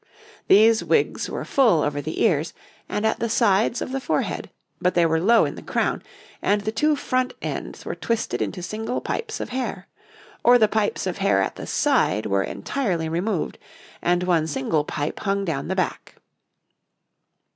These wigs were full over the ears and at the sides of the forehead, but they were low in the crown, and the two front ends were twisted into single pipes of hair; or the pipes of hair at the side were entirely removed, and one single pipe hung down the back.